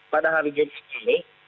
pada hari jumat ini